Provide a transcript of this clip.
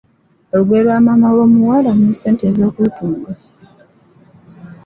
Olugoye lwa maama w’omuwala, n’essente ez’okulutunga.